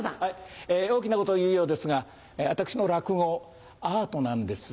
大きなことを言うようですが私の落語アートなんです。